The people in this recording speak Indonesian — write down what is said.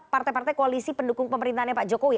partai partai koalisi pendukung pemerintahnya pak jokowi